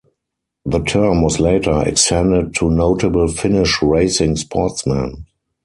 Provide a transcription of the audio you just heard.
The term was later extended to notable Finnish racing sportsmen.